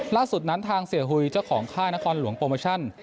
ล่าสุดนั้นทางเสียหุยเจ้าของค่ายนครหลวงโปรโมชั่น